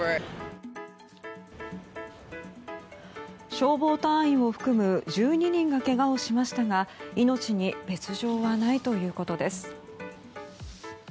消防隊員を含む１２人がけがをしましたが命に別条はないということです。